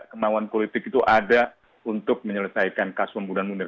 kemauan politik itu ada untuk menyelesaikan kasus pembunuhan munir